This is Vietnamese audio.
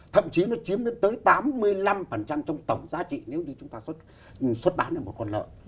thậm chí nó chiếm đến tới tám mươi năm trong tổng giá trị nếu như chúng ta xuất bán được một con lợn